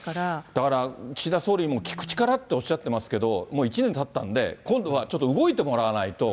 だから、岸田総理も聞く力っておっしゃってますけど、もう１年たったんで、今度はちょっと動いてもらわないと。